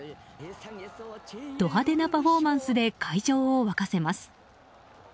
ド派手なパフォーマンスで会場を沸かせます。